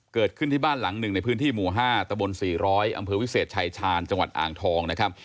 เกิดขึ้นที่บ้านหลังหนึ่งในพื้นที่หมู่๕ตะบน๔๐๐อำเภอวิเศษชายชาญจังหวัดอ่างทองนะครับ